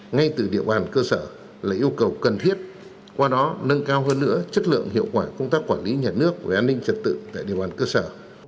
ngay từ địa bàn cơ sở là yêu cầu cần thiết qua đó nâng cao hơn nữa chất lượng hiệu quả công tác quản lý nhà nước về an ninh trật tự tại địa bàn cơ sở